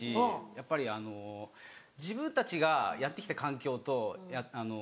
やっぱりあの自分たちがやってきた環境とあの後輩の。